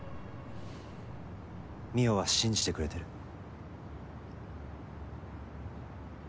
望緒は信じてくれてる。